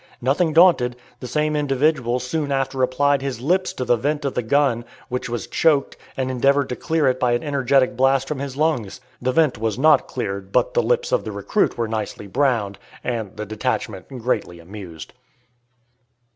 Nothing daunted, the same individual soon after applied his lips to the vent of the gun, which was choked, and endeavored to clear it by an energetic blast from his lungs. The vent was not cleared but the lips of the recruit were nicely browned, and the detachment greatly amused.